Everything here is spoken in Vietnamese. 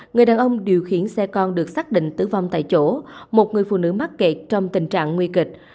người đàn ông điều khiển xe con được xác định tử vong tại chỗ một người phụ nữ mắc kẹt trong tình trạng nguy kịch